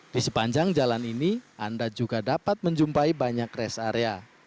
di sepanjang jalan ini anda juga dapat menjumpai banyak rest area